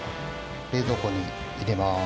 冷蔵庫に入れます。